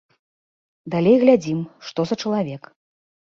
Далей глядзім, што за чалавек.